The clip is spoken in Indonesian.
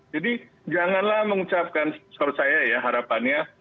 jadi janganlah mengucapkan seharusnya ya harapannya